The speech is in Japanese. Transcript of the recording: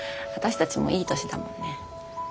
私たちもいい年だもんね。